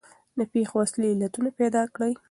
د پېښو اصلي علتونه پیدا کړئ.